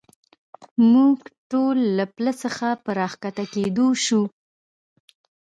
موږ ټول له پله څخه په را کښته کېدو شو.